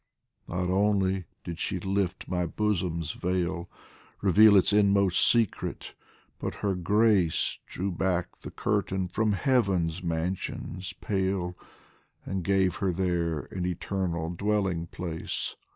Not only did she lift my bosom's veil, Reveal its inmost secret, but her grace Drew back the curtain from Heaven's mansions pale, And gave her there an eternal dwelling place.